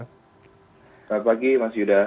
selamat pagi mas yuda